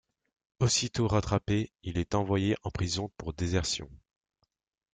Aussitôt rattrapé, il est envoyé en prison pour désertion.